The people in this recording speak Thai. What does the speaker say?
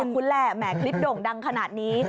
คุณแหละแหมคลิปโด่งดังขนาดนี้